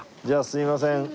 じゃあすいません。